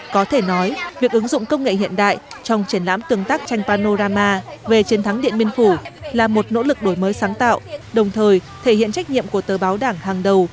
có thể nói việc ứng dụng công nghệ hiện đại trong triển lãm tương tác tranh panorama về chiến thắng điện biên phủ là một nỗ lực đổi mới sáng tạo đồng thời thể hiện trách nhiệm của tờ báo đảng hàng đầu